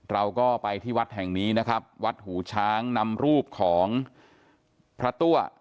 เราก็ไปที่วัดแห่งนี้นะครับวัดหูช้างนำรูปของพระตัว